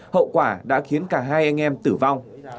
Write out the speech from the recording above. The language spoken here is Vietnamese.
hậu quả đã khiến cả hai anh em tử vong